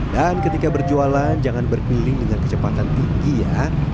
dan ketika berjualan jangan berpiling dengan kecepatan tinggi ya